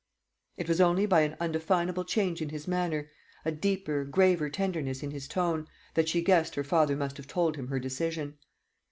It was only by an undefinable change in his manner a deeper graver tenderness in his tone that she guessed her father must have told him her decision.